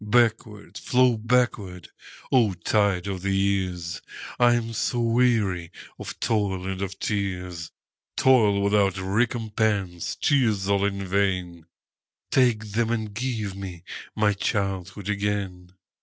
Backward, flow backward, O tide of the years!I am so weary of toil and of tears,—Toil without recompense, tears all in vain,—Take them, and give me my childhood again!